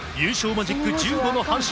マジック１５の阪神。